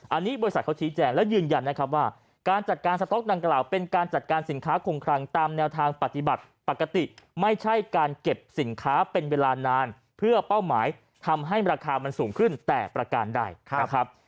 อันนี้บริษัทเขาชี้แจงแล้วยืนยันนะครับว่าการจัดการสต๊อกดังกล่าวเป็นการจัดการสินค้าคงคลังตามแนวทางปฏิบัติปกติไม่ใช่การเก็บสินค้าเป็นเวลานานเพื่อเป้าหมายทำให้ราคามันสูงขึ้นแต่ประการใดนะครับ